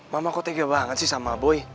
mama kok tega banget sih sama boy